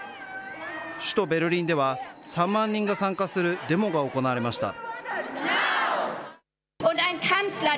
首都ベルリンでは、３万人が参加するデモが行われました。